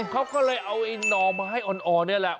เขาก็เลยเอาไอ้นอมาให้อ่อนนี่แหละ